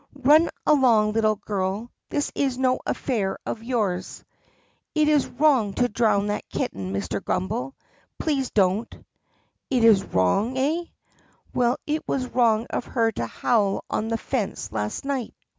"Run along, little girl! This is no affair of yours!" "It is wrong to drown that kitten, Mr. Grummbel. Please don't!" "It 's wrong, eh 4 ? Well, it was wrong of her to howl on the fence last night."